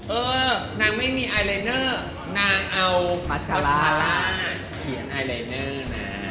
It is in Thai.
เออนางไม่มีไอไลท์เนอร์นางเอามาสคาล่าเขียนไอไลท์เนอร์นะ